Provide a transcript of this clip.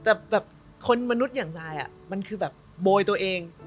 แต่แบบคนมนุษย์อย่างซายมันคือแบบโบยตัวเอง